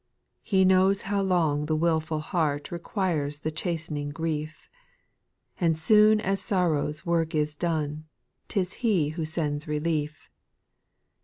4. He knows how long the wilful heart Requires the chast'ning grief; And soon as sorrow's work \a doTie, 'T 13 He who sends relief.